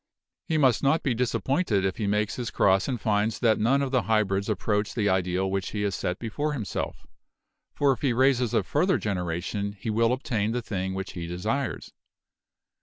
He must not be disappointed if he makes his cross and finds that none of the hybrids approach the ideal which he has set before himself; for if he raises a further gener ation he will obtain the thing which he desires.